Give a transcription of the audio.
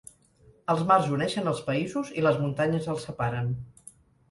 Els mars uneixen els països i les muntanyes els separen.